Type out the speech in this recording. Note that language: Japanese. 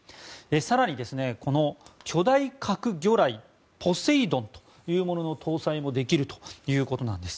更に、この巨大核魚雷ポセイドンというものの搭載もできるということです。